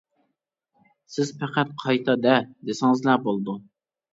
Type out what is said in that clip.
سىز پەقەت «قايتا دە! » دېسىڭىزلا بولىدۇ.